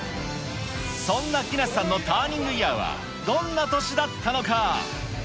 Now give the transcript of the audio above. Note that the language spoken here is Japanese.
そんな木梨さんのターニングイヤーは、どんな年だったのか。